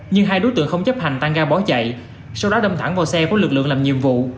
nhưng hai đối tượng không chấp hành tăng ga bỏ chạy sau đó đâm thẳng vào xe của lực lượng làm nhiệm vụ